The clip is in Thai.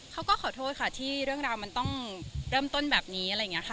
เขาก็ขอโทษค่ะที่เรื่องราวมันต้องเริ่มต้นแบบนี้อะไรอย่างนี้ค่ะ